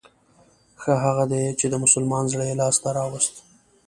ښه هغه دی چې د مسلمان زړه يې لاس ته راووست.